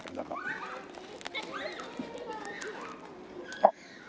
あっ！